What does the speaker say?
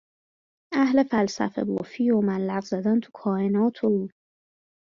اهلِ فلسفه بافی و ملق زدن تو کائنات و